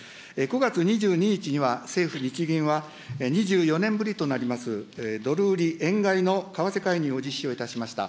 ９月２２日には、政府・日銀は２４年ぶりとなりますドル売り円買いの為替介入を実施をいたしました。